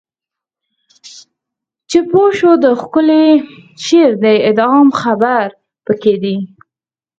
چې پوه شو د ښکلی شعر د اعدام خبر پکې دی